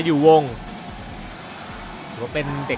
สนามโรงเรียนสมุทรสาคอนวุฒิชัย